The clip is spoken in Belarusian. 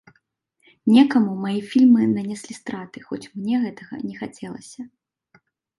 Некаму мае фільмы нанеслі страты, хоць мне гэтага не хацелася.